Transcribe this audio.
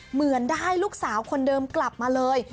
เหมือนได้ลูกสาวคนเดิมกลับมาเลย